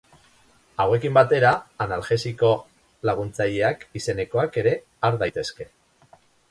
Hauekin batera, analgesiko laguntzaileak izenekoak ere har daitezke.